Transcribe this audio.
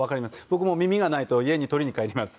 僕も耳がないと家に取りに帰ります